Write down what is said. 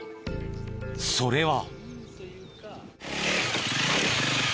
それは。